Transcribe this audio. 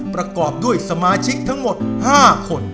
ประกอบด้วยสมาชิกทั้งหมด๕คน